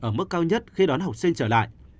ở mức cao nhất khi đón học sinh trở lại